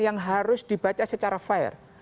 yang harus dibaca secara fair